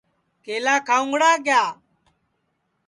کیلا کھاؤنگڑا کِیا